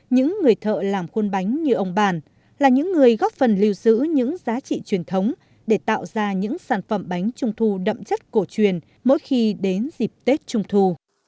những người thợ làm khuôn bánh như ông bản là những người góp phần lưu giữ những giá trị truyền thống để tạo ra những sản phẩm bánh trung thu đậm chất cổ truyền mỗi khi đến dịp tết trung thu